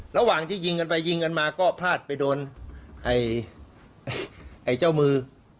ระหว่างที่ยิงกันไปยิงกันมาก็พลาดไปโดนไอ้เจ้ามือ